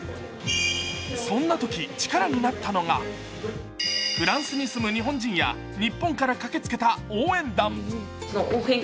そんなとき、力なったのがフランスに住む日本人や日本から駆けつけた応援団。